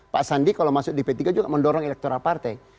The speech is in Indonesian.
pak sandi kalau masuk di p tiga juga mendorong elektoral partai